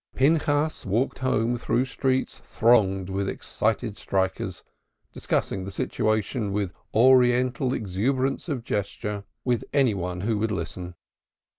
Pinchas walked home through streets thronged with excited strikers, discussing the situation with oriental exuberance of gesture, with any one who would listen.